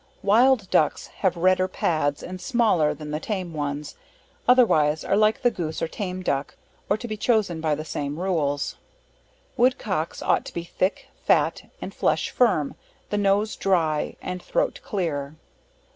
Wild Ducks, have redder pads, and smaller than the tame ones, otherwise are like the goose or tame duck, or to be chosen by the same rules. Wood Cocks, ought to be thick, fat and flesh firm, the nose dry, and throat clear.